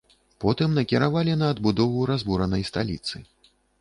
Потым накіравалі на адбудову разбуранай сталіцы.